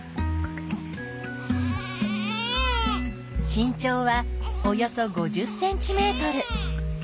身長はおよそ５０ｃｍ。